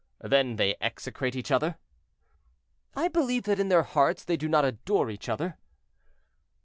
"Then they execrate each other?" "I believe that in their hearts they do not adore each other."